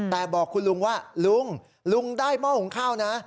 แต่บอกคุณลุงว่าลุงลุงได้หม้อหุงข้าวนะ